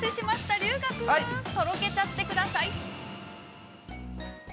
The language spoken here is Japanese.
龍我君、とろけちゃってください。